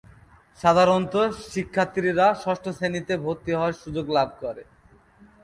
সাধারণত শিক্ষার্থীরা ষষ্ঠ শ্রেণীতে ভর্তি হওয়ার সুযোগ লাভ করে।